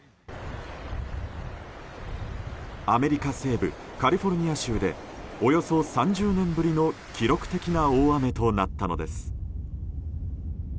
アメリカ西部カリフォルニア州でおよそ３０年ぶりの記録的な大雨となったのです。